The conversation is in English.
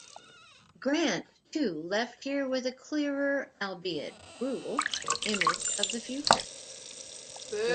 Grant, too, left here with a clearer, albeit brutal, image of the future.